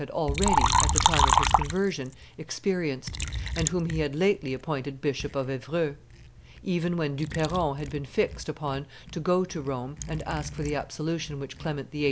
had already, at the time of his conversion, experienced, and whom he had lately appointed Bishop of Evreux. Even when Du Perron had been fixed upon to go to Rome and ask for the absolution which Clement VIII.